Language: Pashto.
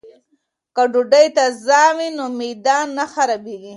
که ډوډۍ تازه وي نو معده نه خرابیږي.